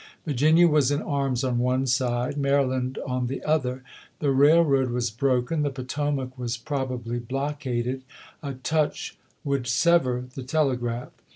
Virginia was in arms on one side, Maryland on the other ; the railroad was broken ; the Potomac was prob ably blockaded ; a touch would sever the telegraph.